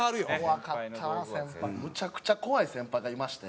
むちゃくちゃ怖い先輩がいまして。